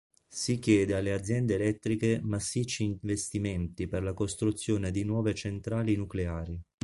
Si chiede alle aziende elettriche massicci investimenti per la costruzione di nuove centrali nucleari.